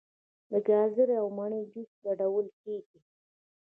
د ګازرې او مڼې جوس ګډول کیږي.